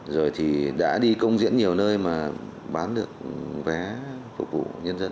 rồi thì đã đi công diễn nhiều nơi mà bán được vé phục vụ nhân dân